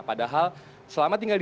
padahal selama tinggal